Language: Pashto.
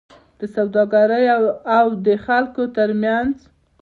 د سوداګرۍاو د خلکو ترمنځ